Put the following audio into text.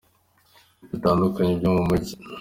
bitandukanye byo mu Mujyi.